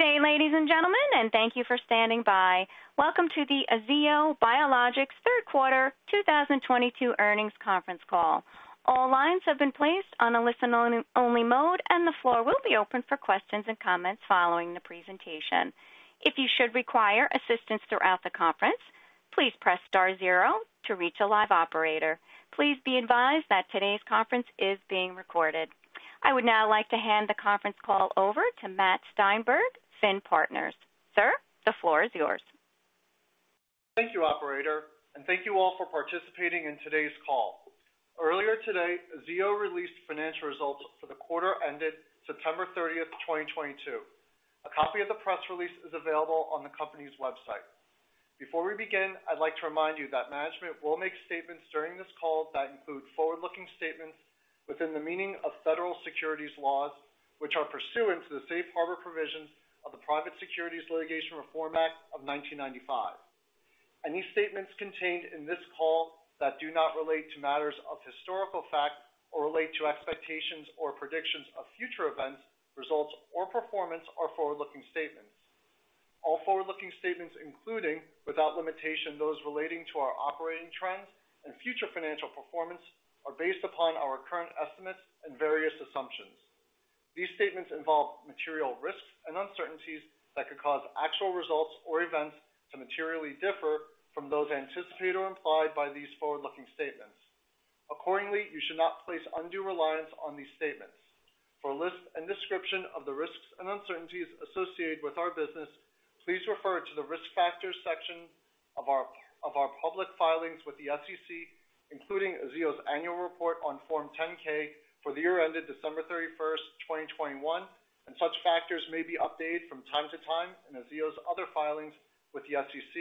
Good day, ladies and gentlemen, and thank you for standing by. Welcome to the Aziyo Biologics third quarter 2022 earnings conference call. All lines have been placed on a listen-only mode, and the floor will be open for questions and comments following the presentation. If you should require assistance throughout the conference, please press star zero to reach a live operator. Please be advised that today's conference is being recorded. I would now like to hand the conference call over to Matt Steinberg, Finn Partners. Sir, the floor is yours. Thank you operator, and thank you all for participating in today's call. Earlier today, Aziyo released financial results for the quarter ended September 30, 2022. A copy of the press release is available on the company's website. Before we begin, I'd like to remind you that management will make statements during this call that include forward-looking statements within the meaning of federal securities laws, which are pursuant to the safe harbor provisions of the Private Securities Litigation Reform Act of 1995. Any statements contained in this call that do not relate to matters of historical fact or relate to expectations or predictions of future events, results or performance are forward-looking statements. All forward-looking statements, including without limitation those relating to our operating trends and future financial performance, are based upon our current estimates and various assumptions. These statements involve material risks and uncertainties that could cause actual results or events to materially differ from those anticipated or implied by these forward-looking statements. Accordingly, you should not place undue reliance on these statements. For a list and description of the risks and uncertainties associated with our business, please refer to the Risk Factors section of our public filings with the SEC, including Aziyo's annual report on Form 10-K for the year ended December 31, 2021. Such factors may be updated from time to time in Aziyo's other filings with the SEC,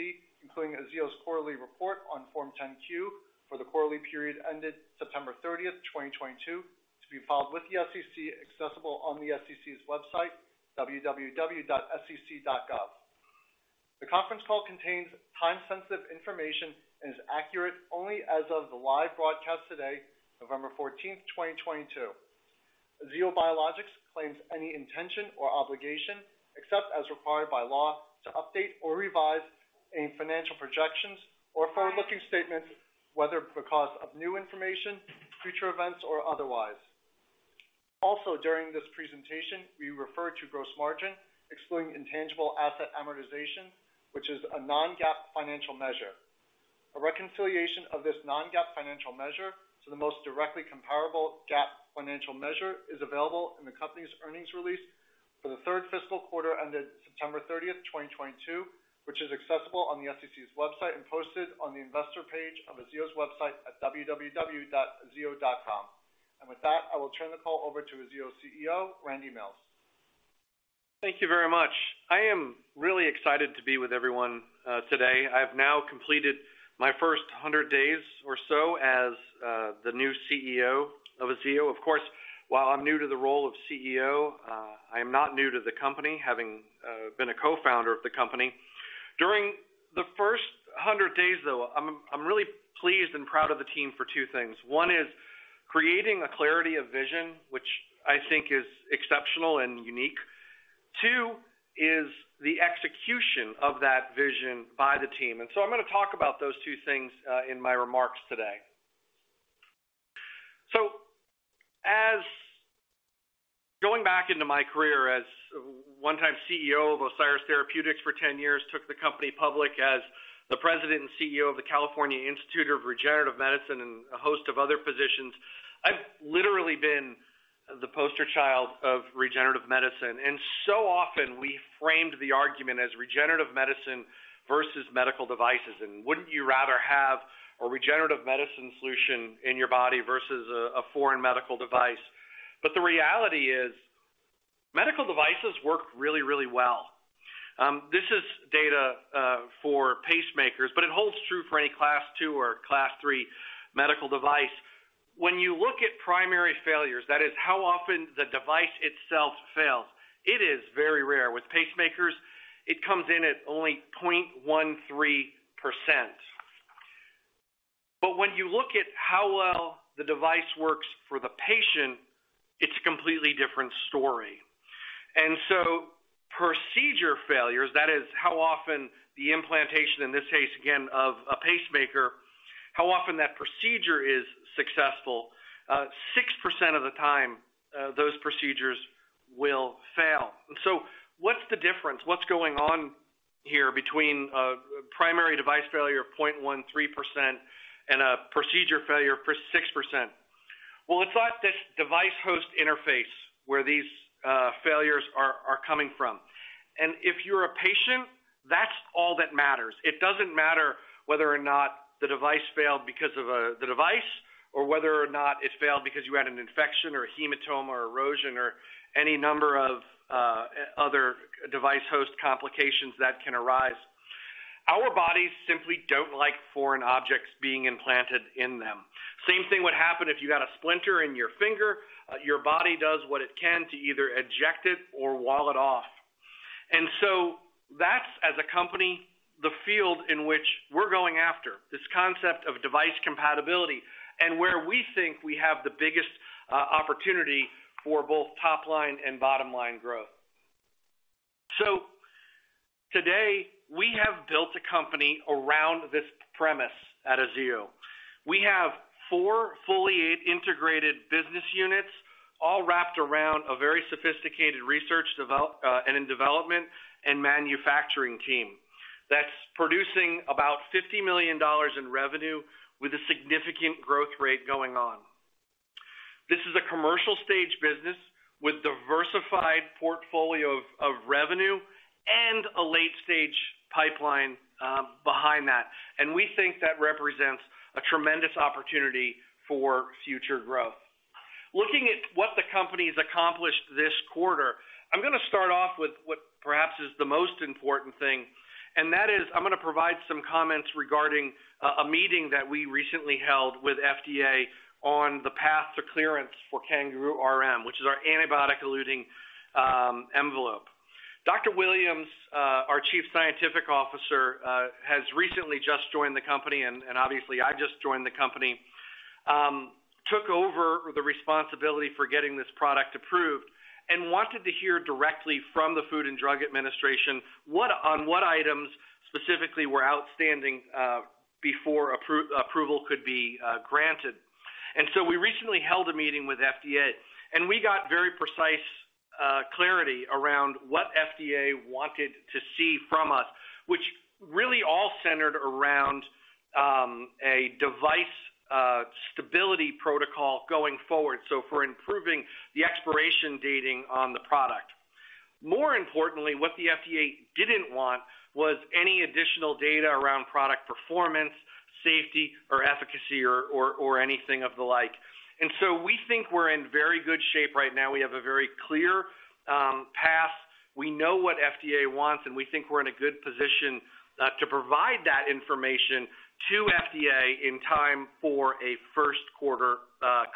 including Aziyo's quarterly report on Form 10-Q for the quarterly period ended September 30, 2022, to be filed with the SEC, accessible on the SEC's website, www.sec.gov. The conference call contains time-sensitive information and is accurate only as of the live broadcast today, November 14, 2022. Aziyo Biologics disclaims any intention or obligation, except as required by law, to update or revise any financial projections or forward-looking statements, whether because of new information, future events, or otherwise. During this presentation, we refer to gross margin excluding intangible asset amortization, which is a non-GAAP financial measure. A reconciliation of this non-GAAP financial measure to the most directly comparable GAAP financial measure is available in the company's earnings release for the third fiscal quarter ended September 30, 2022, which is accessible on the SEC's website and posted on the investor page of Aziyo's website at www.aziyo.com. With that, I will turn the call over to Aziyo's CEO, Randy Mills. Thank you very much. I am really excited to be with everyone, today. I have now completed my first 100 days or so as the new CEO of Aziyo. Of course, while I'm new to the role of CEO, I am not new to the company, having been a co-founder of the company. During the first 100 days though, I'm really pleased and proud of the team for two things. One is creating a clarity of vision, which I think is exceptional and unique. Two is the execution of that vision by the team. I'm gonna talk about those two things, in my remarks today. Going back into my career as one-time CEO of Osiris Therapeutics for 10 years, took the company public as the president and CEO of the California Institute of Regenerative Medicine and a host of other positions, I've literally been the poster child of regenerative medicine. Often we framed the argument as regenerative medicine versus medical devices, and wouldn't you rather have a regenerative medicine solution in your body versus a foreign medical device? The reality is medical devices work really, really well. This is data for pacemakers, but it holds true for any class two or class three medical device. When you look at primary failures, that is how often the device itself fails, it is very rare. With pacemakers, it comes in at only 0.13%. When you look at how well the device works for the patient, it's a completely different story. Procedure failures, that is how often the implantation, in this case again of a pacemaker, how often that procedure is successful, 6% of the time, those procedures will fail. What's the difference? What's going on here between a primary device failure of 0.13% and a procedure failure for 6%? Well, it's at this device host interface where these failures are coming from. If you're a patient, that's all that matters. It doesn't matter whether or not the device failed because of the device or whether or not it failed because you had an infection or a hematoma or erosion or any number of other device host complications that can arise. Our bodies simply don't like foreign objects being implanted in them. Same thing would happen if you got a splinter in your finger. Your body does what it can to either eject it or wall it off. That's, as a company, the field in which we are going after, this concept of device compatibility and where we think we have the biggest opportunity for both top line and bottom-line growth. Today, we have built a company around this premise at Aziyo. We have four fully integrated business units, all wrapped around a very sophisticated research and development and manufacturing team that's producing about $50 million in revenue with a significant growth rate going on. This is a commercial stage business with diversified portfolio of revenue and a late-stage pipeline behind that. We think that represents a tremendous opportunity for future growth. Looking at what the company has accomplished this quarter, I'm gonna start off with what perhaps is the most important thing, and that is I'm gonna provide some comments regarding a meeting that we recently held with FDA on the path to clearance for CanGarooRM, which is our antibiotic-eluting envelope. Dr. Williams, our Chief Scientific Officer, has recently just joined the company, and obviously, I've just joined the company, took over the responsibility for getting this product approved and wanted to hear directly from the Food and Drug Administration, what items specifically were outstanding before approval could be granted. We recently held a meeting with FDA, and we got very precise clarity around what FDA wanted to see from us, which really all centered around a device stability protocol going forward, so for improving the expiration dating on the product. More importantly, what the FDA didn't want was any additional data around product performance, safety, or efficacy or anything of the like. We think we're in very good shape right now. We have a very clear path. We know what FDA wants, and we think we're in a good position to provide that information to FDA in time for a first quarter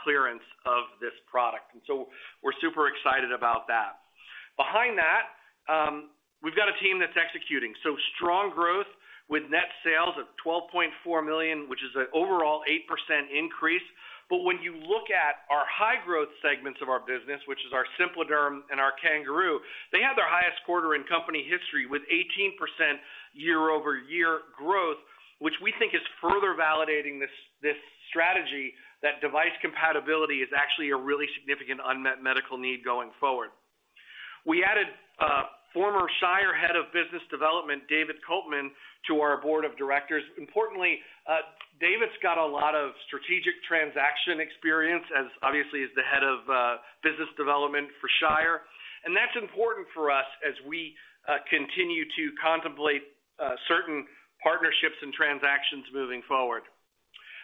clearance of this product. We're super excited about that. Behind that, we've got a team that's executing. Strong growth with net sales of $12.4 million, which is an overall 8% increase. When you look at our high growth segments of our business, which is our SimpliDerm and our CanGaroo, they have their highest quarter in company history with 18% year-over-year growth, which we think is further validating this strategy that device compatibility is actually a really significant unmet medical need going forward. We added a former Shire head of business development, David Colpman, to our board of directors. Importantly, David's got a lot of strategic transaction experience as obviously as the head of business development for Shire. That's important for us as we continue to contemplate certain partnerships and transactions moving forward.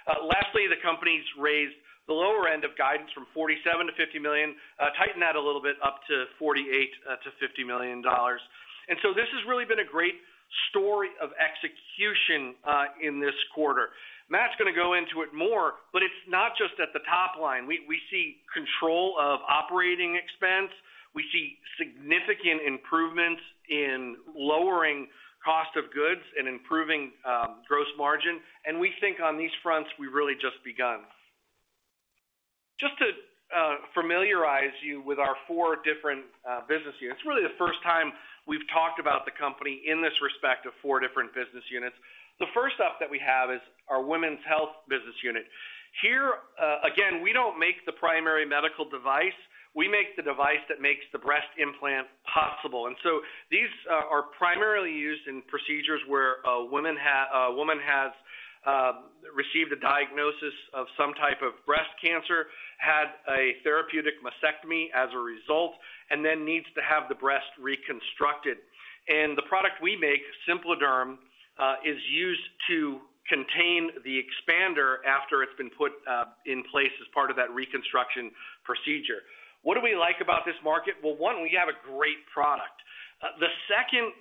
Lastly, the company's raised the lower end of guidance from $47 million-$50 million, tightened that a little bit up to $48 million-$50 million dollars. This has really been a great story of execution in this quarter. Matt's gonna go into it more, but it's not just at the top line. We see control of operating expense. We see significant improvements in lowering cost of goods and improving gross margin. We think on these fronts, we really just begun. Just to familiarize you with our four different business units. It's really the first time we've talked about the company in this respect of four different business units. The first up that we have is our women's health business unit. Here, again, we don't make the primary medical device. We make the device that makes the breast implant possible. These are primarily used in procedures where a woman has received a diagnosis of some type of breast cancer, had a therapeutic mastectomy as a result, and then needs to have the breast reconstructed. The product we make, SimpliDerm, is used to contain the expander after it's been put in place as part of that reconstruction procedure. What do we like about this market? Well, one, we have a great product. The second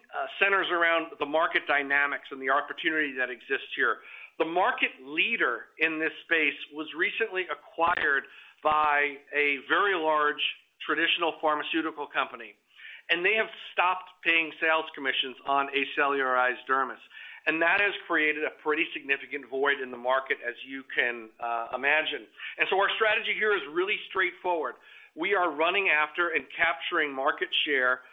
centers around the market dynamics and the opportunity that exists here. The market leader in this space was recently acquired by a very large traditional pharmaceutical company, and they have stopped paying sales commissions on acellularized dermis. That has created a pretty significant void in the market, as you can imagine. Our strategy here is really straightforward. We are running after and capturing market share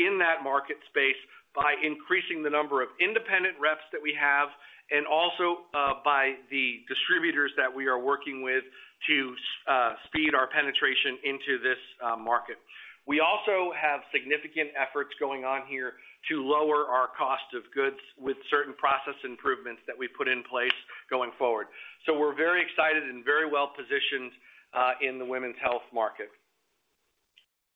in that market space by increasing the number of independent reps that we have and also by the distributors that we are working with to speed our penetration into this market. We also have significant efforts going on here to lower our cost of goods with certain process improvements that we put in place going forward. We're very excited and very well-positioned in the women's health market.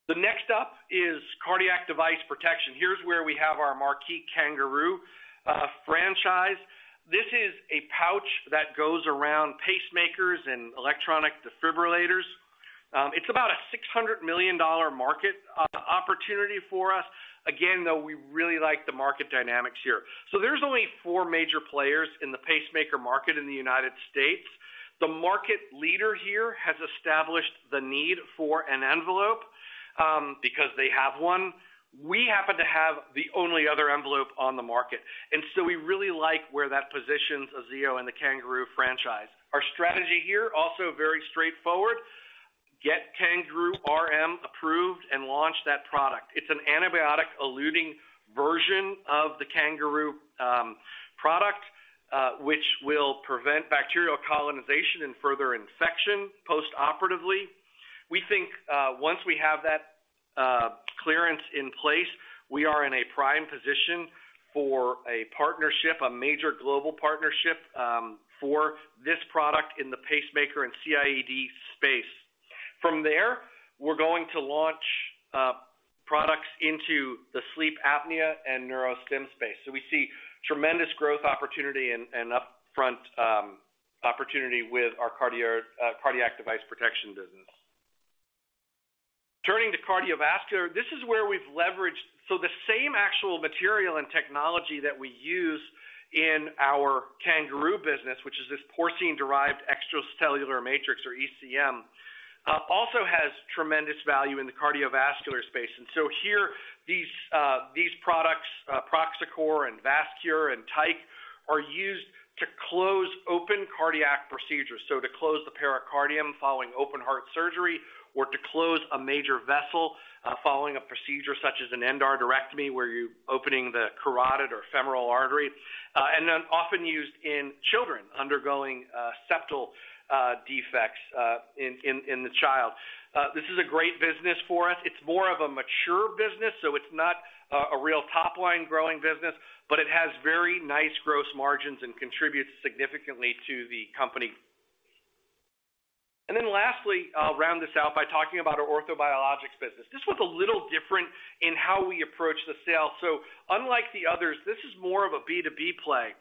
The next up is cardiac device protection. Here's where we have our marquee CanGaroo franchise. This is a pouch that goes around pacemakers and electronic defibrillators. It's about a $600 million market opportunity for us. Again, though, we really like the market dynamics here. There's only four major players in the pacemaker market in the United States. The market leader here has established the need for an envelope, because they have one. We happen to have the only other envelope on the market, and so we really like where that positions Aziyo and the CanGaroo franchise. Our strategy here also very straightforward. Get CanGarooRM approved and launch that product. It's an antibiotic-eluting version of the CanGaroo product, which will prevent bacterial colonization and further infection post-operatively. We think, once we have that, clearance in place, we are in a prime position for a partnership, a major global partnership, for this product in the pacemaker and CIED space. From there, we're going to launch products into the sleep apnea and neurostim space. We see tremendous growth opportunity and upfront opportunity with our cardiac device protection business. Turning to cardiovascular, this is where we've leveraged the same actual material and technology that we use in our CanGaroo business, which is this porcine-derived extracellular matrix or ECM, also has tremendous value in the cardiovascular space. Here, these products, ProxiCor and VasCure and Tyke are used to close open cardiac procedures, so to close the pericardium following open heart surgery or to close a major vessel following a procedure such as an endarterectomy, where you're opening the carotid or femoral artery, and then often used in children undergoing septal defects in the child. This is a great business for us. It's more of a mature business, so it's not a real top-line growing business, but it has very nice gross margins and contributes significantly to the company. Lastly, I'll round this out by talking about our orthobiologics business. This was a little different in how we approach the sale. Unlike the others, this is more of a B2B play.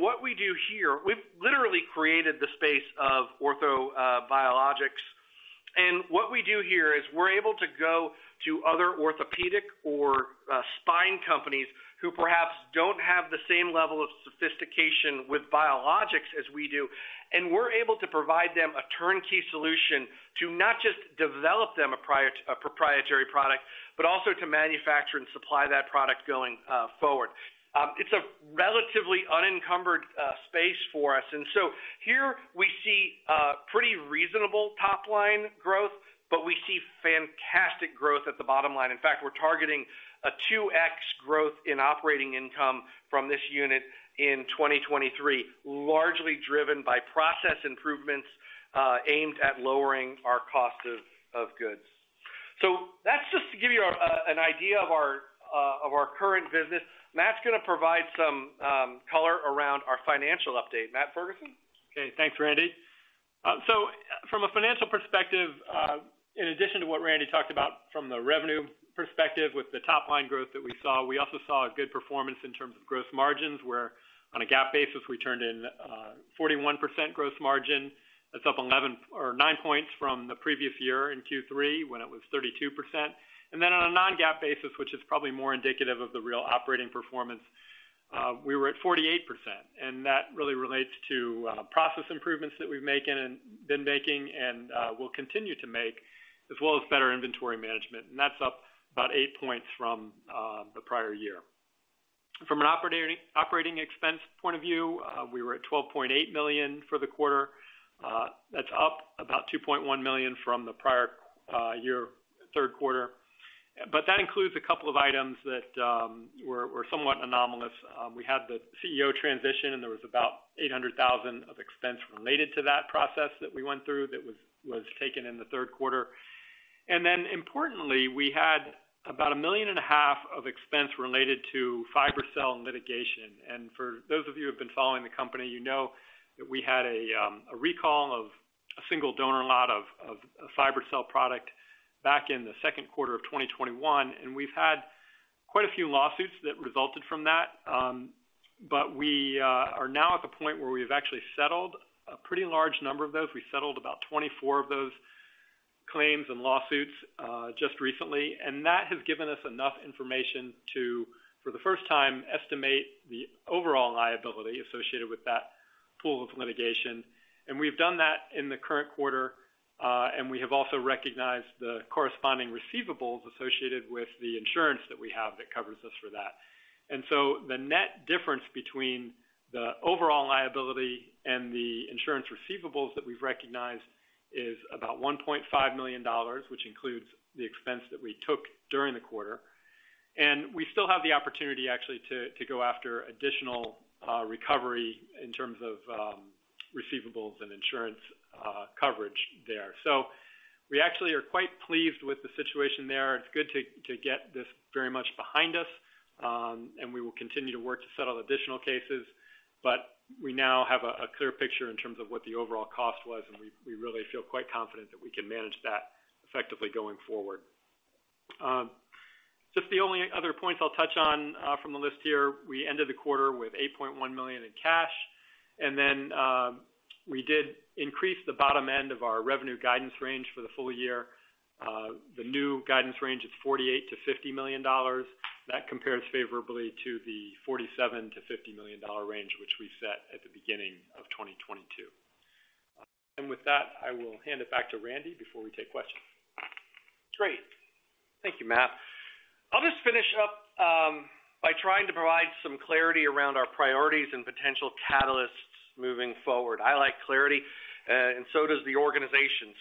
What we do here, we've literally created the space of orthobiologics. What we do here is we're able to go to other orthopedic or spine companies who perhaps don't have the same level of sophistication with biologics as we do, and we're able to provide them a turnkey solution to not just develop them a proprietary product, but also to manufacture and supply that product going forward. It's a relatively unencumbered space for us. Here we see pretty reasonable top-line growth, but we see fantastic growth at the bottom line. In fact, we're targeting a 2x growth in operating income from this unit in 2023, largely driven by process improvements aimed at lowering our cost of goods. That's just to give you an idea of our current business. Matt gonna provide some color around our financial update. Matt Ferguson. Okay, thanks, Randy. From a financial perspective, in addition to what Randy talked about from the revenue perspective with the top line growth that we saw, we also saw a good performance in terms of gross margins, where on a GAAP basis, we turned in 41% gross margin. That's up nine points from the previous year in Q3 when it was 32%. On a non-GAAP basis, which is probably more indicative of the real operating performance, we were at 48%, and that really relates to process improvements that we've been making and will continue to make, as well as better inventory management. That's up about eight points from the prior year. From an operating expense point of view, we were at $12.8 million for the quarter. That's up about $2.1 million from the prior year third quarter. That includes a couple of items that were somewhat anomalous. We had the CEO transition, and there was about $800,000 of expense related to that process that we went through that was taken in the third quarter. Importantly, we had about $1.5 million of expense related to FiberCel litigation. For those of you who have been following the company, you know that we had a recall of a single donor lot of FiberCel product back in the second quarter of 2021, and we've had quite a few lawsuits that resulted from that. We are now at the point where we've actually settled a pretty large number of those. We settled about 24 of those claims and lawsuits just recently, and that has given us enough information to, for the first time, estimate the overall liability associated with that pool of litigation. We've done that in the current quarter, and we have also recognized the corresponding receivables associated with the insurance that we have that covers us for that. The net difference between the overall liability and the insurance receivables that we've recognized is about $1.5 million, which includes the expense that we took during the quarter. We still have the opportunity actually to go after additional recovery in terms of receivables and insurance coverage there. We actually are quite pleased with the situation there. It's good to get this very much behind us, and we will continue to work to settle additional cases. We now have a clear picture in terms of what the overall cost was, and we really feel quite confident that we can manage that effectively going forward. Just the only other point I'll touch on from the list here, we ended the quarter with $8.1 million in cash, and then we did increase the bottom end of our revenue guidance range for the full year. The new guidance range is $48-$50 million. That compares favorably to the $47-$50 million range, which we set at the beginning of 2022. With that, I will hand it back to Randy before we take questions. Great. Thank you, Matt. Let me just finish up by trying to provide some clarity around our priorities and potential catalysts moving forward. I like clarity, and so does the organization.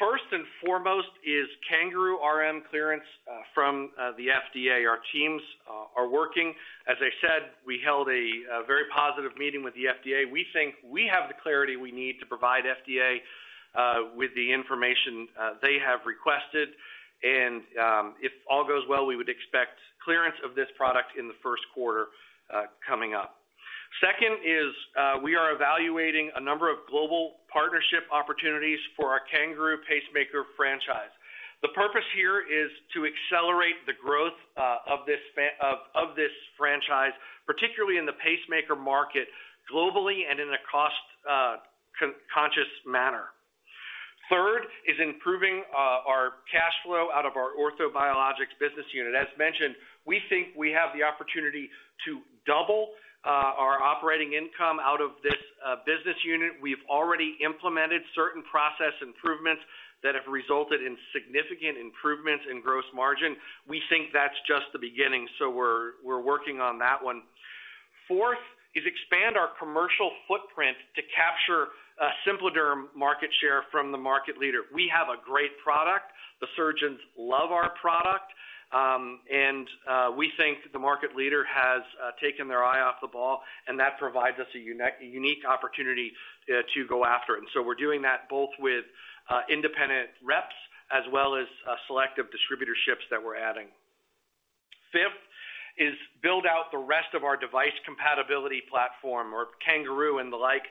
First and foremost is CanGaroo RM clearance from the FDA. Our teams are working. As I said, we held a very positive meeting with the FDA. We think we have the clarity we need to provide FDA with the information they have requested and, if all goes well, we would expect clearance of this product in the first quarter coming up. Second is, we are evaluating a number of global partnership opportunities for our CanGaroo pacemaker franchise. The purpose here is to accelerate the growth of this franchise, particularly in the pacemaker market globally and in a cost-conscious manner. Third is improving our cash flow out of our orthobiologics business unit. As mentioned, we think we have the opportunity to double our operating income out of this business unit. We've already implemented certain process improvements that have resulted in significant improvements in gross margin. We think that's just the beginning, so we're working on that one. Fourth is expand our commercial footprint to capture SimpliDerm market share from the market leader. We have a great product. The surgeons love our product, and we think the market leader has taken their eye off the ball, and that provides us a unique opportunity to go after it. We're doing that both with independent reps as well as selective distributorships that we're adding. Fifth is build out the rest of our device compatibility platform or CanGaroo and the like,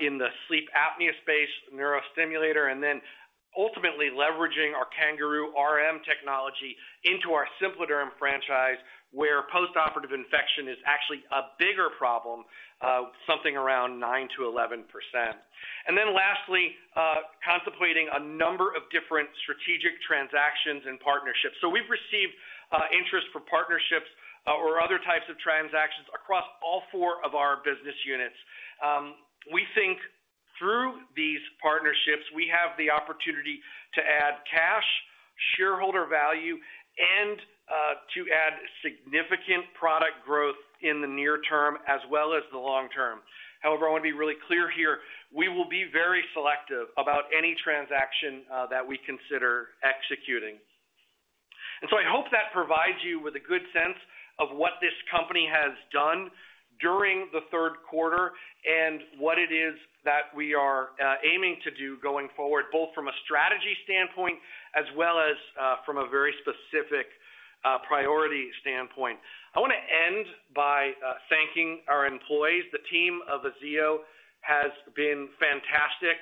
in the sleep apnea space neurostimulator, and then ultimately leveraging our CanGaroo RM technology into our SimpliDerm franchise, where post-operative infection is actually a bigger problem, something around 9%-11%. Then lastly, contemplating a number of different strategic transactions and partnerships. We've received, interest for partnerships, or other types of transactions across all four of our business units. We think through these partnerships, we have the opportunity to add cash, shareholder value and, to add significant product growth in the near term as well as the long term. However, I wanna be really clear here, we will be very selective about any transaction, that we consider executing. I hope that provides you with a good sense of what this company has done during the third quarter and what it is that we are aiming to do going forward, both from a strategy standpoint as well as from a very specific priority standpoint. I wanna end by thanking our employees. The team of Aziyo has been fantastic,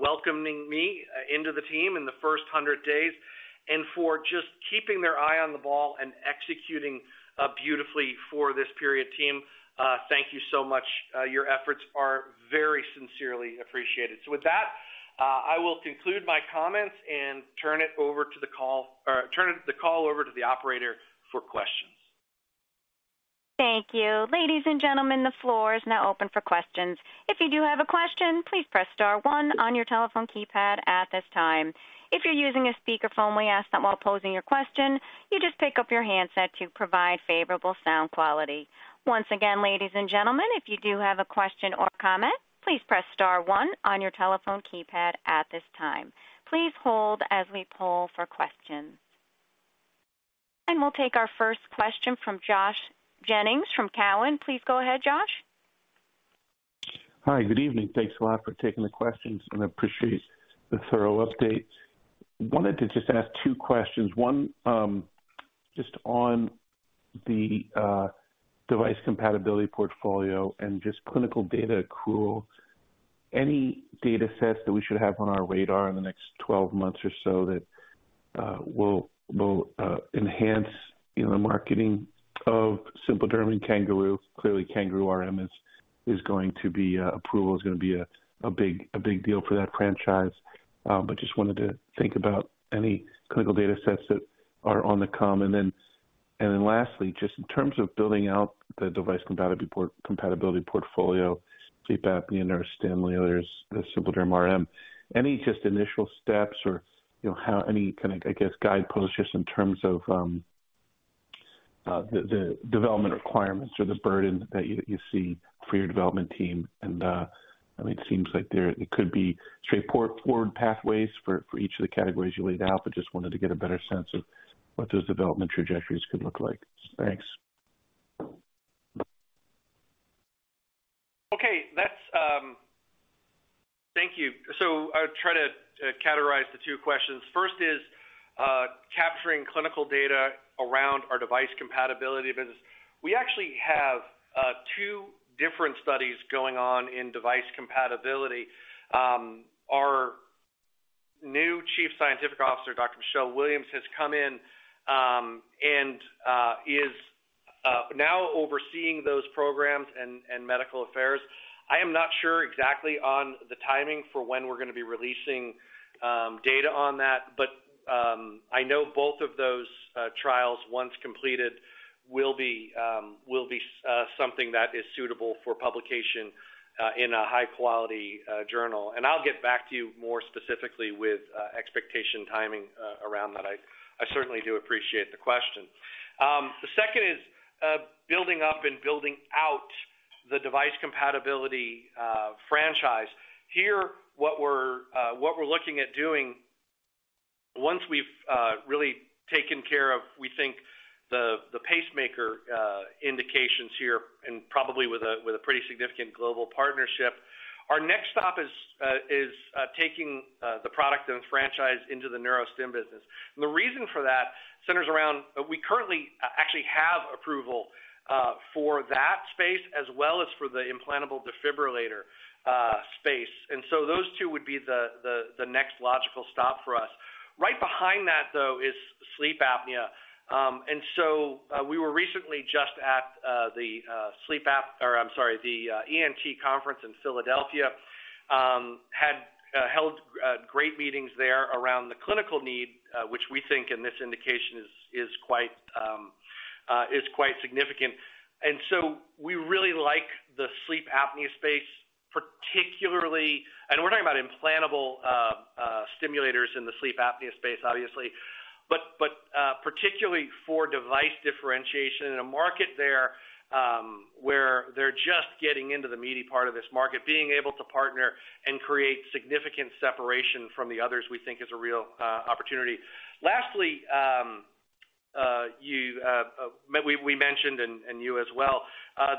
welcoming me into the team in the first 100 days, and for just keeping their eye on the ball and executing beautifully for this period. Team, thank you so much. Your efforts are very sincerely appreciated. With that, I will conclude my comments and turn the call over to the operator for questions. Thank you. Ladies and gentlemen, the floor is now open for questions. If you do have a question, please press star one on your telephone keypad at this time. If you're using a speakerphone, we ask that while posing your question, you just pick up your handset to provide favorable sound quality. Once again, ladies and gentlemen, if you do have a question or comment, please press star one on your telephone keypad at this time. Please hold as we poll for questions. We'll take our first question from Josh Jennings from Cowen. Please go ahead, Josh. Hi. Good evening. Thanks a lot for taking the questions and appreciate the thorough update. Wanted to just ask two questions. one, just on the device compatibility portfolio and just clinical data accrual. Any data sets that we should have on our radar in the next 12 months or so that will enhance, you know, the marketing of SimpliDerm and CanGaroo? Clearly, CanGarooRM approval is gonna be a big deal for that franchise. But just wanted to think about any clinical data sets that are on the come. Lastly, just in terms of building out the device compatibility portfolio, sleep apnea, neurostimulators, the SimpliDerm RM. And just initial steps or, you know, how any kind of, I guess, guideposts just in terms of, the development requirements or the burden that you see for your development team? I mean, it seems like that it could be straightforward pathways for each of the categories you laid out, but just wanted to get a better sense of what those development trajectories could look like? Thanks. Okay. That's. Thank you. I'll try to categorize the two questions. First is capturing clinical data around our device compatibility business. We actually have two different studies going on in device compatibility. Our new Chief Scientific Officer, Dr. Michelle LeRoux Williams, has come in and is now overseeing those programs and medical affairs. I am not sure exactly on the timing for when we're gonna be releasing data on that, but I know both of those trials, once completed, will be something that is suitable for publication in a high quality journal. I'll get back to you more specifically with expectation timing around that. I certainly do appreciate the question. The second is building up and building out the device compatibility franchise. Here, what we're looking at doing once we've really taken care of, we think the pacemaker indications here, and probably with a pretty significant global partnership. Our next stop is taking the product and franchise into the neurostim business. The reason for that centers around we currently actually have approval for that space as well as for the implantable defibrillator space. Those two would be the next logical stop for us. Right behind that, though, is sleep apnea. We were recently just at the ENT conference in Philadelphia, had held great meetings there around the clinical need, which we think in this indication is quite significant. We really like the sleep apnea space, particularly. We're talking about implantable stimulators in the sleep apnea space, obviously. Particularly for device differentiation in a market there, where they're just getting into the meaty part of this market, being able to partner and create significant separation from the others, we think is a real opportunity. Lastly, we mentioned, and you as well,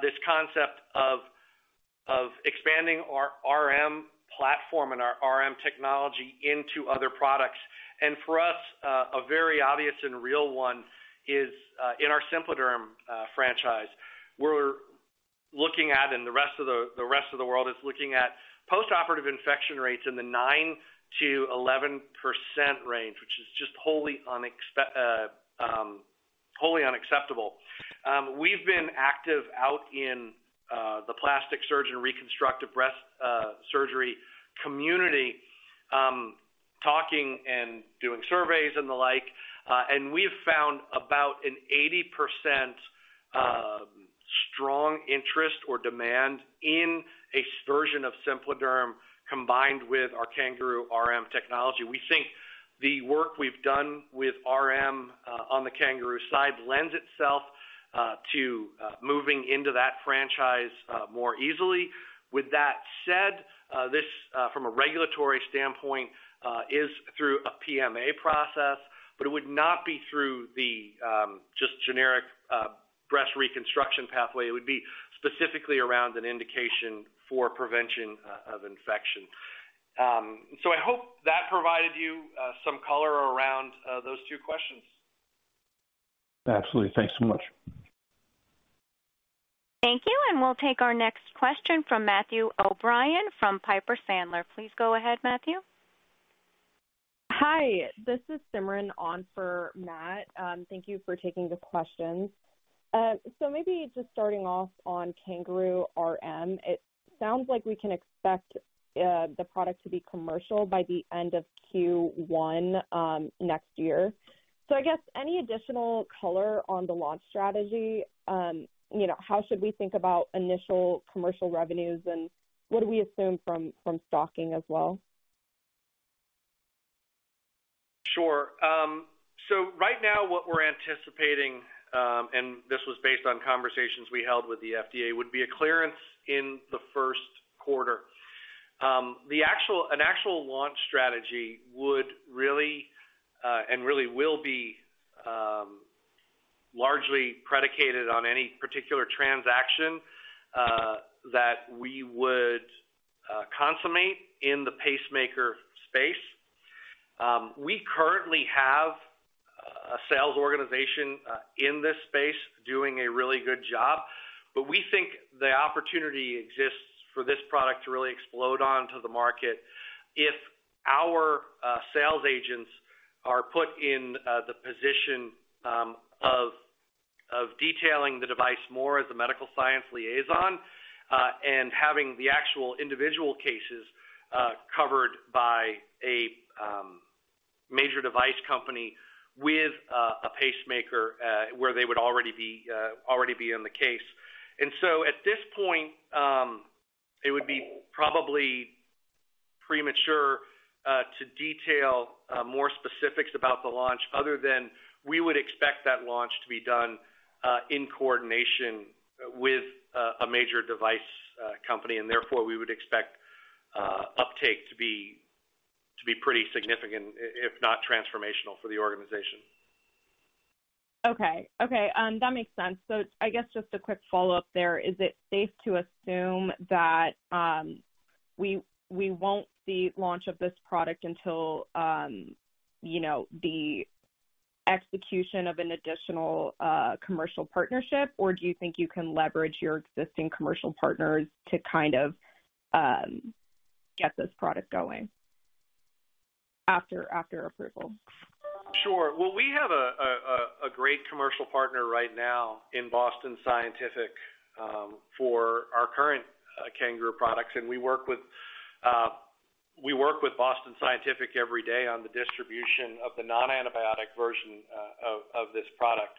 this concept of expanding our RM platform and our RM technology into other products. For us, a very obvious and real one is in our SimpliDerm franchise. We're looking at, and the rest of the world is looking at postoperative infection rates in the 9%-11% range, which is just wholly unacceptable. We've been active out in the plastic surgery reconstructive breast surgery community, talking and doing surveys and the like. We've found about an 80% strong interest or demand in a version of SimpliDerm combined with our CanGaroo RM technology. We think the work we've done with RM on the CanGaroo side lends itself to moving into that franchise more easily. With that said, this from a regulatory standpoint is through a PMA process, but it would not be through the just generic breast reconstruction pathway. It would be specifically around an indication for prevention of infection. I hope that provided you some color around those two questions. Absolutely. Thanks so much. Thank you. We'll take our next question from Matthew O'Brien from Piper Sandler. Please go ahead, Matthew. Hi, this is Simran on for Matt. Thank you for taking the questions. Maybe just starting off on CanGaroo RM. It sounds like we can expect the product to be commercial by the end of Q1 next year. I guess any additional color on the launch strategy? You know, how should we think about initial commercial revenues, and what do we assume from stocking as well? Sure. Right now, what we're anticipating, and this was based on conversations we held with the FDA, would be a clearance in the first quarter. An actual launch strategy would really be largely predicated on any particular transaction that we would consummate in the pacemaker space. We currently have a sales organization in this space doing a really good job, but we think the opportunity exists for this product to really explode onto the market if our sales agents are put in the position of detailing the device more as a medical science liaison and having the actual individual cases covered by a major device company with a pacemaker where they would already be in the case. At this point, it would be probably premature to detail more specifics about the launch other than we would expect that launch to be done in coordination with a major device company, and therefore we would expect uptake to be pretty significant, if not transformational for the organization. Okay. That makes sense. I guess just a quick follow-up there. Is it safe to assume that we won't see launch of this product until you know the execution of an additional commercial partnership? Or do you think you can leverage your existing commercial partners to kind of get this product going after approval? Sure. Well, we have a great commercial partner right now in Boston Scientific for our current CanGaroo products, and we work with Boston Scientific every day on the distribution of the non-antibiotic version of this product.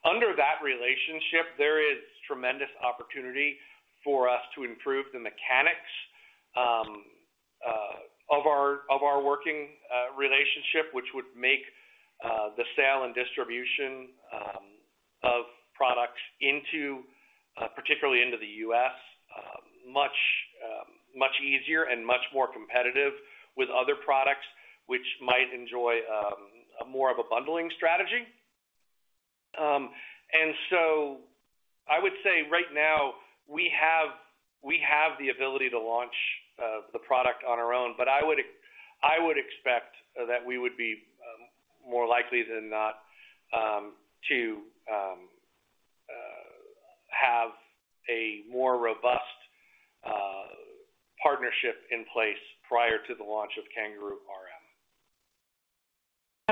Under that relationship, there is tremendous opportunity for us to improve the mechanics of our working relationship, which would make the sale and distribution of products into particularly into the U.S. much easier and much more competitive with other products which might enjoy more of a bundling strategy. I would say right now we have the ability to launch the product on our own, but I would expect that we would be more likely than not to have a more robust partnership in place prior to the launch of CanGaroo RM.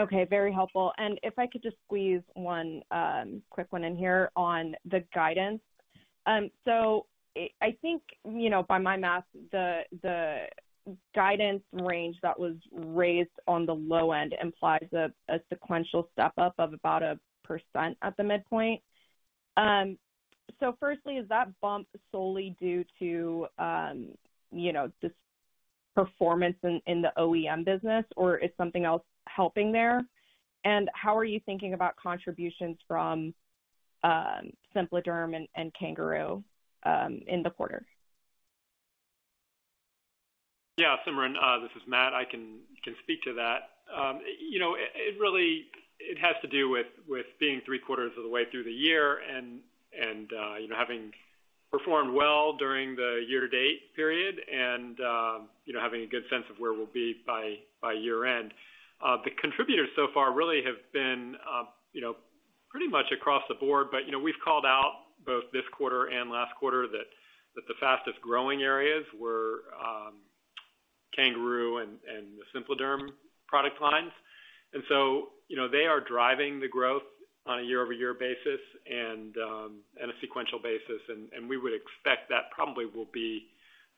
Okay, very helpful. If I could just squeeze one quick one in here on the guidance. I think, you know, by my math, the guidance range that was raised on the low end implies a sequential step-up of about 1% at the midpoint. Firstly, is that bump solely due to, you know, this performance in the OEM business, or is something else helping there? How are you thinking about contributions from SimpliDerm and CanGaroo in the quarter? Yeah, Simran, this is Matt. I can speak to that. You know, it really has to do with being three-quarters of the way through the year and you know, having performed well during the year-to-date period and you know, having a good sense of where we'll be by year-end. The contributors so far really have been you know, pretty much across the board. You know, we've called out both this quarter and last quarter that the fastest-growing areas were CanGaroo and the SimpliDerm product lines. You know, they are driving the growth on a year-over-year basis and a sequential basis. We would expect that probably will be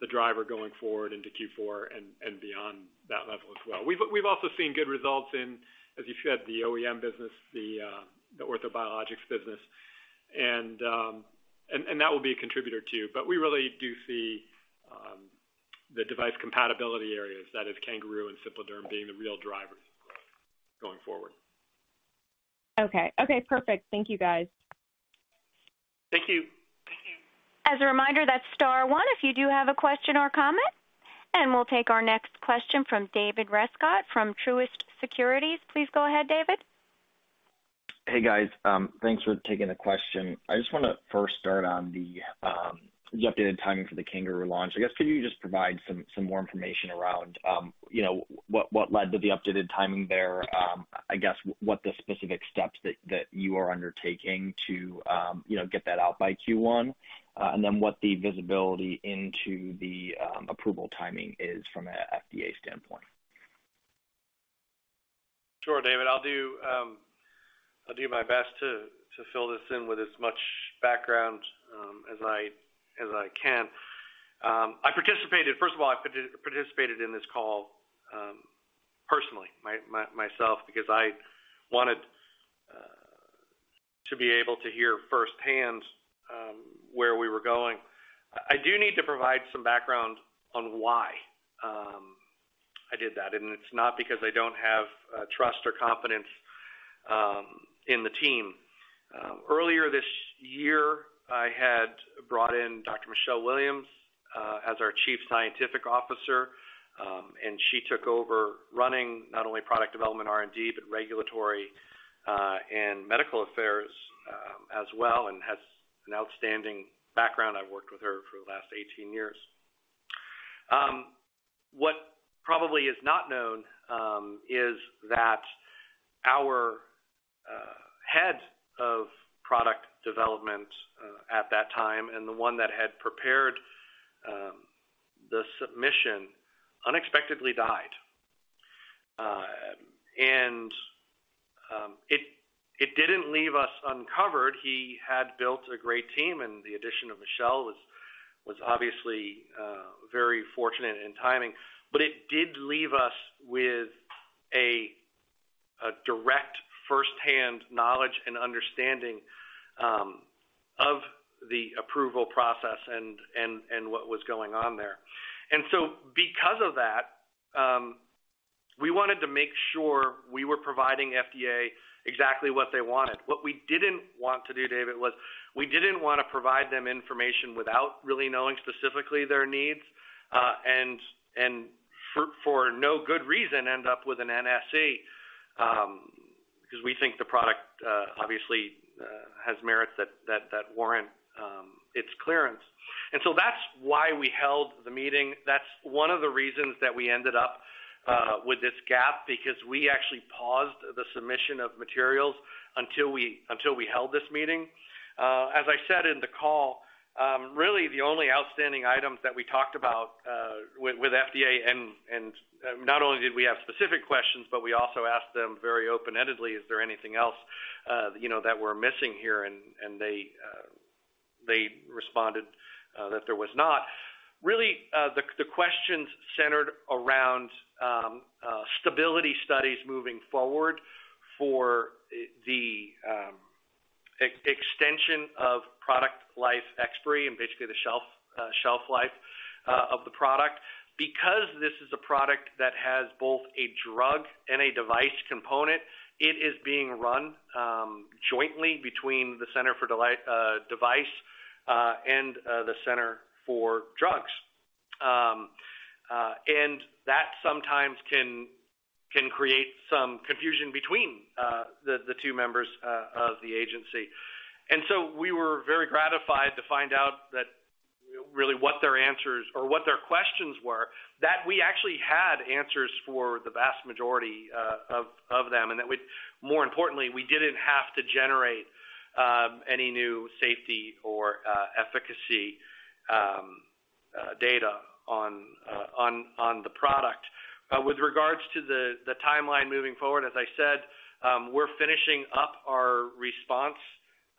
the driver going forward into Q4 and beyond that level as well. We've also seen good results in, as you said, the OEM business, the orthobiologics business. That will be a contributor too. We really do see the device compatibility areas, that is CanGaroo and SimpliDerm being the real drivers of growth going forward. Okay, perfect. Thank you, guys. Thank you. As a reminder, that's star one if you do have a question or comment. We'll take our next question from David Rescott from Truist Securities. Please go ahead, David. Hey, guys. Thanks for taking the question. I just wanna first start on the updated timing for the CanGaroo launch. I guess could you just provide some more information around what led to the updated timing there? I guess what the specific steps that you are undertaking to get that out by Q1? And then what the visibility into the approval timing is from an FDA standpoint? Sure, David. I'll do my best to fill this in with as much background as I can. First of all, I participated in this call personally, because I wanted to be able to hear firsthand where we were going. I do need to provide some background on why I did that, and it's not because I don't have trust or confidence in the team. Earlier this year, I had brought in Dr. Michelle Williams as our Chief Scientific Officer, and she took over running not only product development R&D, but regulatory and medical affairs as well and has an outstanding background. I've worked with her for the last 18 years. What probably is not known is that our head of product development at that time and the one that had prepared the submission unexpectedly died. It didn't leave us uncovered. He had built a great team, and the addition of Michelle was obviously very fortunate in timing. It did leave us with a direct first-hand knowledge and understanding of the approval process and what was going on there. Because of that, we wanted to make sure we were providing FDA exactly what they wanted. What we didn't want to do, David, was we didn't wanna provide them information without really knowing specifically their needs, and for no good reason end up with an NSE, because we think the product obviously has merits that warrant its clearance. That's why we held the meeting. That's one of the reasons that we ended up with this gap because we actually paused the submission of materials until we held this meeting. As I said in the call, really the only outstanding items that we talked about with FDA and not only did we have specific questions, but we also asked them very open-endedly, is there anything else you know that we're missing here? They responded that there was not. Really, the questions centered around stability studies moving forward for the extension of product life expiry and basically the shelf life of the product. Because this is a product that has both a drug and a device component, it is being run jointly between the Center for Devices and the Center for Drugs. And that sometimes can create some confusion between the two members of the agency. We were very gratified to find out that really what their answers or what their questions were, that we actually had answers for the vast majority of them, and that more importantly, we didn't have to generate any new safety or efficacy data on the product. With regards to the timeline moving forward, as I said, we're finishing up our response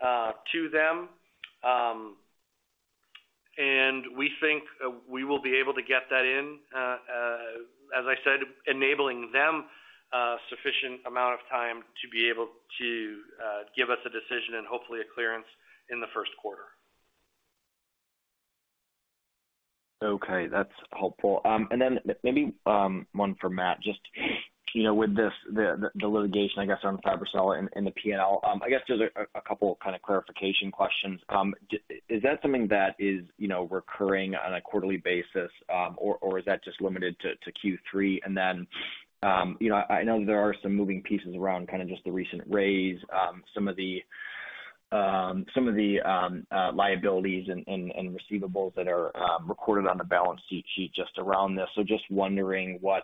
to them. We think we will be able to get that in, as I said, enabling them sufficient amount of time to be able to give us a decision and hopefully a clearance in the first quarter. Okay, that's helpful. Maybe one for Matt. Just, you know, with this, the litigation, I guess, on the FiberCel and the P&L, I guess just a couple kind of clarification questions. Is that something that is, you know, recurring on a quarterly basis, or is that just limited to Q3? And then, you know, I know there are some moving pieces around kind of just the recent raise, some of the liabilities and receivables that are recorded on the balance sheet just around this. So just wondering what,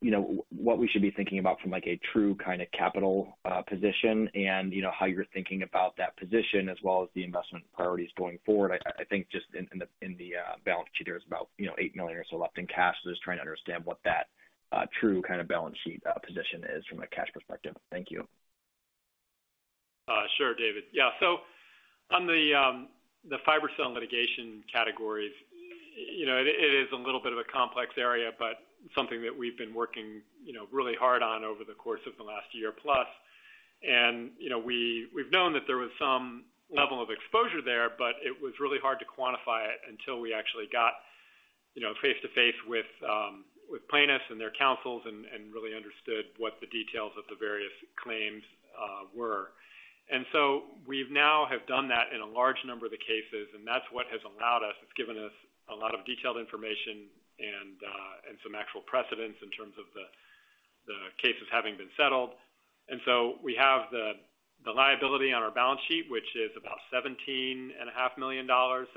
you know, what we should be thinking about from like a true kind of capital position and, you know, how you're thinking about that position as well as the investment priorities going forward. I think just in the balance sheet, there's about, you know, $8 million or so left in cash. Just trying to understand what that true kind of balance sheet position is from a cash perspective? Thank you. Sure, David. Yeah. On the FiberCel litigation categories, you know, it is a little bit of a complex area, but something that we've been working, you know, really hard on over the course of the last year plus. You know, we've known that there was some level of exposure there, but it was really hard to quantify it until we actually got, you know, face-to-face with plaintiffs and their counsels and really understood what the details of the various claims were. We now have done that in a large number of the cases, and that's what has allowed us. It's given us a lot of detailed information and some actual precedents in terms of the cases having been settled. We have the liability on our balance sheet, which is about $17.5 million, $17.6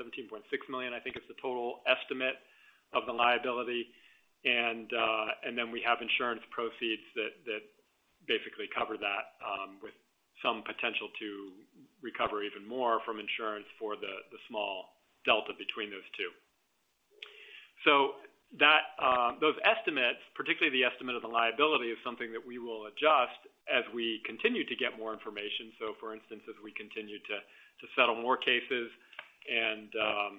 million, I think is the total estimate of the liability. We have insurance proceeds that basically cover that, with some potential to recover even more from insurance for the small delta between those two. Those estimates, particularly the estimate of the liability, is something that we will adjust as we continue to get more information. For instance, as we continue to settle more cases and, you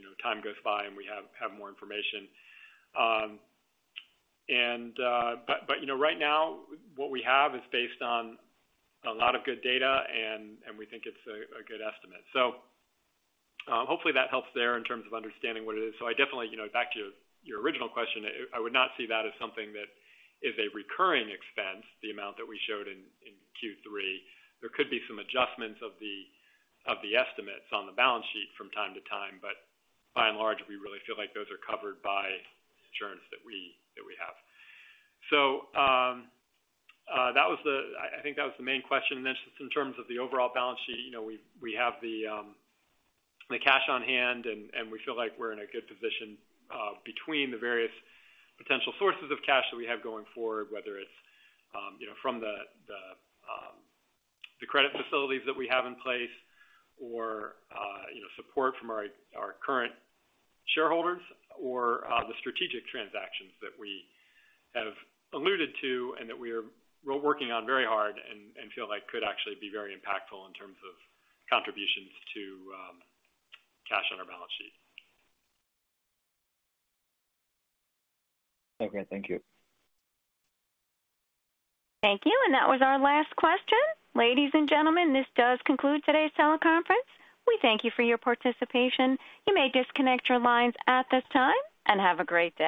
know, time goes by and we have more information. You know, right now what we have is based on a lot of good data and we think it's a good estimate. Hopefully that helps there in terms of understanding what it is. I definitely, you know, back to your original question, I would not see that as something that is a recurring expense, the amount that we showed in Q3. There could be some adjustments of the estimates on the balance sheet from time to time, but by and large, we really feel like those are covered by insurance that we have. That was the—I think that was the main question. Just in terms of the overall balance sheet, you know, we have the cash on hand, and we feel like we're in a good position between the various potential sources of cash that we have going forward, whether it's, you know, from the credit facilities that we have in place or, you know, support from our current shareholders or the strategic transactions that we have alluded to and that we are working on very hard and feel like could actually be very impactful in terms of contributions to cash on our balance sheet. Okay. Thank you. Thank you. That was our last question. Ladies and gentlemen, this does conclude today's teleconference. We thank you for your participation. You may disconnect your lines at this time, and have a great day.